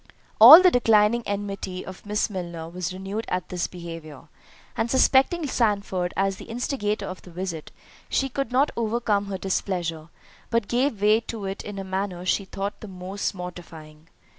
All the declining enmity of Miss Milner was renewed at this behaviour, and suspecting Sandford as the instigator of the visit, she could not overcome her displeasure, but gave way to it in a manner she thought the most mortifying.